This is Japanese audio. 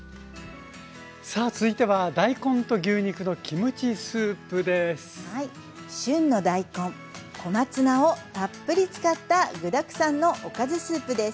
さあ続いてははい旬の大根小松菜をたっぷり使った具だくさんのおかずスープです。